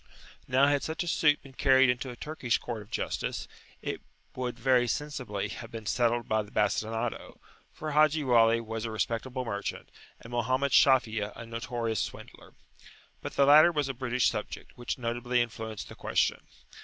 [p.48]Now had such a suit been carried into a Turkish court of justice, it would very sensibly have been settled by the bastinado, for Haji Wali was a respectable merchant, and Mohammed Shafi'a a notorious swindler. But the latter was a British subject, which notably influenced the question.